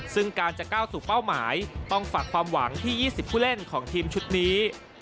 ซึ่งการจะก้าวสู่เป้าหมายต้องฝากความหวังที่๒๐ผู้เล่นของทีมชุดนี้